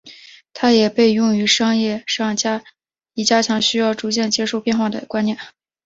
它也被用于商业上以加强需要逐渐接受变化的观念。